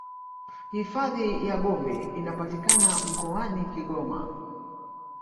hifadhi ya gombe inapatikana mkoani kigoma